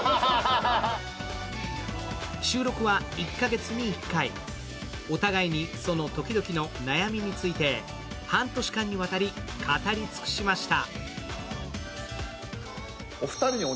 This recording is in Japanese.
収録は１か月に１回、お互いにそのときどきの悩みについて半年間にわたり語り尽くしました。